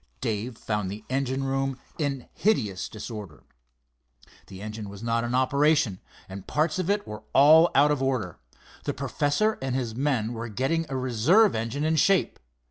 Dave found the engine room in hideous disorder. The engine was not in operation, and parts of it were all out of order. The professor and his men were getting a reserve engine in shape.